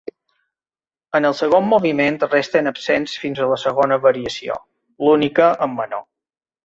En el segon moviment resten absents fins a la segona variació, l'única en menor.